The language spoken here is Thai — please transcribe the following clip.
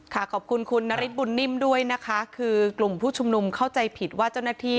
ขอบคุณคุณนฤทธบุญนิ่มด้วยนะคะคือกลุ่มผู้ชุมนุมเข้าใจผิดว่าเจ้าหน้าที่